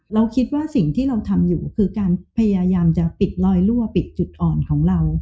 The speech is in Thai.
เราคิดว่าสิ่งที่เราทำอยู่คือการพยายามจะปิดลอยรั่วปิดจุดอ่อนของเรา